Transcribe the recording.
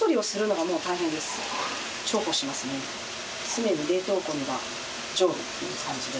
常に冷凍庫には常備っていう感じで。